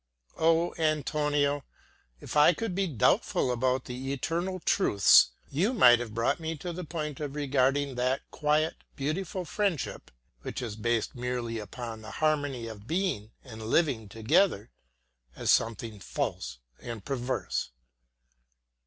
O Antonio, if I could be doubtful about the eternal truths, you might have brought me to the point of regarding that quiet, beautiful friendship, which is based merely upon the harmony of being and living together, as something false and perverse.